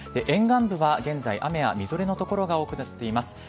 沿岸部は現在雨やみぞれの所が多くなっています。